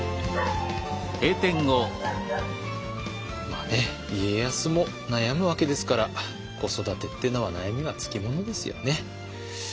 まあね家康も悩むわけですから子育てっていうのは悩みがつきものですよね。